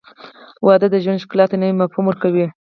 • واده د ژوند ښکلا ته نوی مفهوم ورکوي.